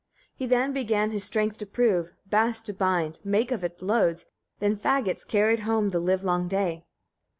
9. He then began his strength to prove, bast to bind, make of it loads; then faggots carried home, the livelong day.